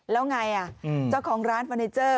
แล้วอย่างไรเจ้าของร้านเฟอร์แนธเจอร์